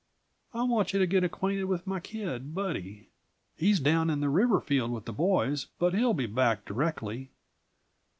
I want you to get acquainted with my kid Buddy. He's down in the river field with the boys, but he'll be back directly.